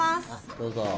どうぞ。